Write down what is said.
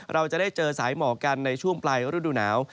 เราจะได้เจอสายหมอกกันในช่วงปลายฤดูหนาว